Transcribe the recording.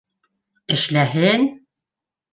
Эшләһен!